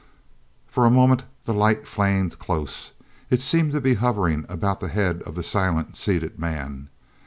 For a moment the light flamed close; it seemed to be hovering about the head of the silent, seated man.